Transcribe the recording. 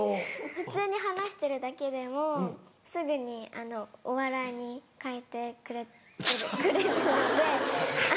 普通に話してるだけでもすぐにお笑いに変えてくれるのでフフフ。